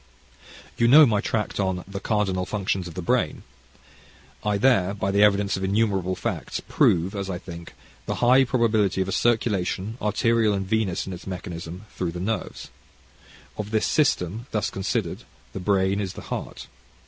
You know my tract on "The Cardinal Functions of the Brain." I there, by the evidence of innumerable facts, prove, as I think, the high probability of a circulation arterial and venous in its mechanism, through the nerves. Of this system, thus considered, the brain is the heart.